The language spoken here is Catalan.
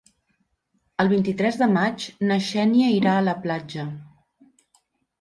El vint-i-tres de maig na Xènia irà a la platja.